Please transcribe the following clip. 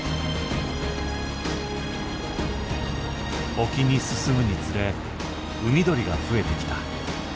沖に進むにつれ海鳥が増えてきた。